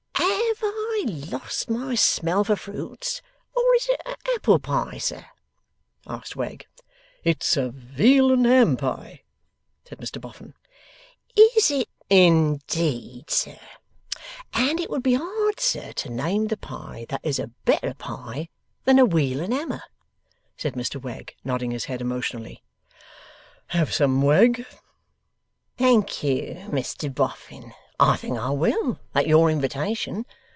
'HAVE I lost my smell for fruits, or is it a apple pie, sir?' asked Wegg. 'It's a veal and ham pie,' said Mr Boffin. 'Is it indeed, sir? And it would be hard, sir, to name the pie that is a better pie than a weal and hammer,' said Mr Wegg, nodding his head emotionally. 'Have some, Wegg?' 'Thank you, Mr Boffin, I think I will, at your invitation.